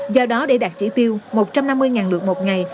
do đó để đạt chỉ tiêu một trăm năm mươi lượt một ngày